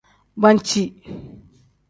Banci.